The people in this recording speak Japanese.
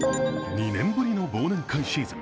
２年ぶりの忘年会シーズン。